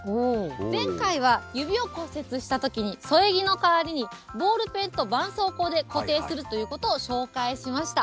前回は指を骨折したときに添え木の代わりに、ボールペンとばんそうこうで固定するということを紹介しました。